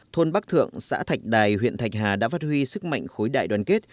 thôn bắc thượng xã thạch đài huyện thạch hà đã phát huy sức mạnh khối đại đoàn kết